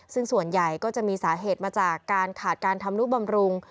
ซึ่งส่วนใหญ่ก็จะมีสาเหตุมาจากการขาดการทำนุบำรุง